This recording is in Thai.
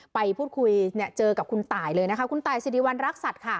ไปพูดคุยเจอกับคุณตายเลยนะคะคุณตายสิริวัณรักษัตริย์ค่ะ